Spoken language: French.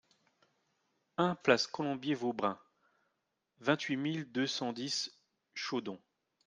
un place Colombier Vaubrun, vingt-huit mille deux cent dix Chaudon